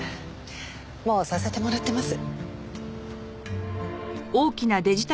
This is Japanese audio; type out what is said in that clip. もうさせてもらってます。